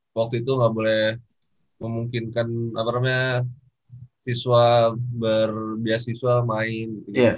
waktu itu gak boleh memungkinkan apa namanya siswa berbiasiswa main